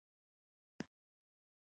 غول د بیا رغونې څرک دی.